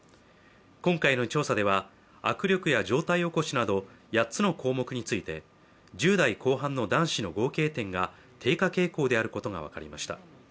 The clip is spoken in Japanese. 今回の調査では握力や上体起こしなど、１０代後半の男子の合計点が低下傾向であることが分かりました。